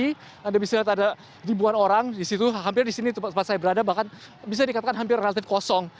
jadi anda bisa lihat ada ribuan orang di situ hampir di sini tempat saya berada bahkan bisa dikatakan hampir relatif kosong